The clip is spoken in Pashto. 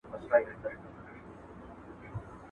بلکې د ښځواو نارینوو له یو بل سره